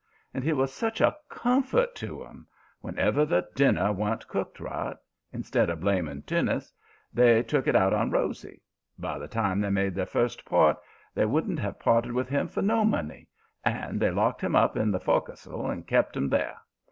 And he was such a COMFORT to 'em. Whenever the dinner wa'n't cooked right, instead of blaming Teunis, they took it out of Rosy. By the time they made their first port they wouldn't have parted with him for no money, and they locked him up in the fo'castle and kept him there.